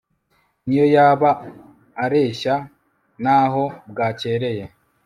n'iyo yaba areshya n'aho bwakereye